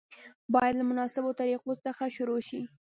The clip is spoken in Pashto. باید له مناسبو طریقو څخه شروع شي.